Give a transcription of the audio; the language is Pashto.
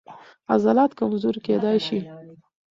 عضلات کمزوري کېدای شي.